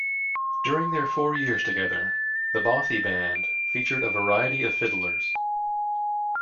During their four years together, the Bothy Band featured a variety of fiddlers.